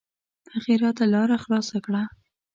هغې راته لاره خلاصه کړه.